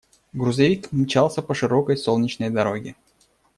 Грузовик мчался по широкой солнечной дороге.